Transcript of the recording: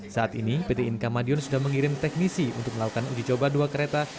saat ini pt inka madiun sudah mengirim teknisi untuk melakukan uji coba dua kereta